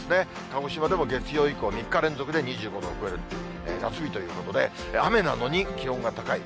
鹿児島でも月曜以降、３日連続で２５度を超える夏日ということで、雨なのに気温が高い。